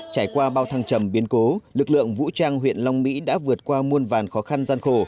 trải qua bao thăng trầm biến cố lực lượng vũ trang huyện long mỹ đã vượt qua muôn vàn khó khăn gian khổ